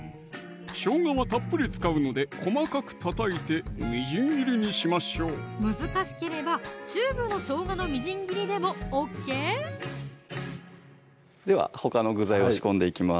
しょうがはたっぷり使うので細かくたたいてみじん切りにしましょう難しければチューブのしょうがのみじん切りでもＯＫではほかの具材を仕込んでいきます